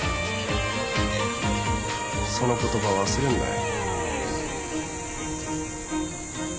その言葉忘れんなよ。